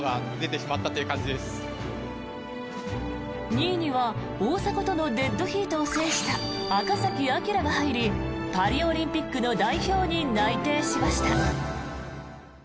２位には大迫とのデッドヒートを制した赤崎暁が入りパリオリンピックの代表に内定しました。